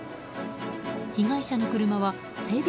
被害者の車は整備